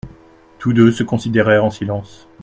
Tous deux se considérèrent en silence.